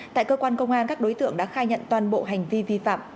tại cơ quan công an các đối tượng đã khai nhận toàn bộ hành vi vi phạm